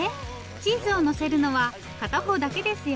チーズをのせるのは片方だけですよ。